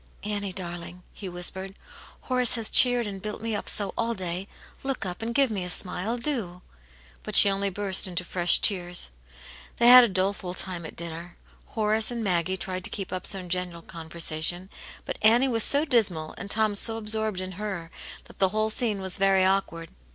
"Annie, darling," he whispered, "Horace has cheered and built me up so all day. Look up, and give me a smile, do !"^ But she only burst into fresh tears. They had a doleful time at dinner; Horace and Maggie tried to keep up some general conversation^ but Annie was so dismal, and Tom so absorbed in her, that the whole scene was very awkward.